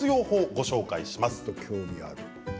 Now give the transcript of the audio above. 法をご紹介します。